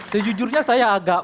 sejujurnya saya agak